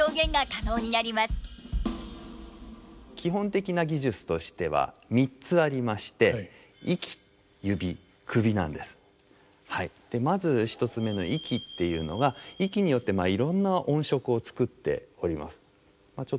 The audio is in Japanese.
基本的な技術としては３つありましてまず１つ目の息っていうのが息によっていろんな音色を作っております。